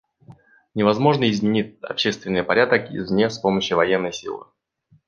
Невозможно изменить общественный порядок извне с помощью военной силы.